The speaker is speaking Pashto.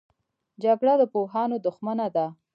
جګړه د پوهانو دښمنه ده